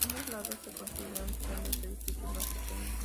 A ambos lados se construyeron sendos edificios, más pequeños.